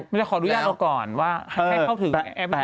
มันจะขออนุญาตเราก่อนว่าให้เข้าถึงแอปพลิเคชัน